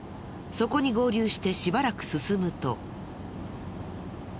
そこに合流してしばらく進むと。